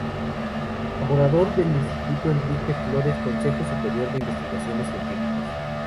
Colaborador del instituto Enrique Flórez Consejo Superior de Investigaciones Científicas.